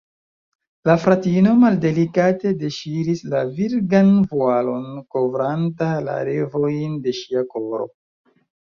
La fratino maldelikate deŝiris la virgan vualon, kovranta la revojn de ŝia koro.